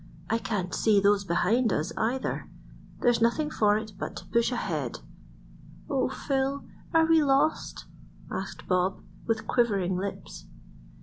"I can't see those behind us either. There's nothing for it but to push ahead." "O Phil! are we lost?" asked Bob, with quivering lips.